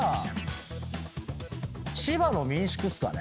千葉の民宿っすかね。